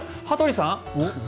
羽鳥さん？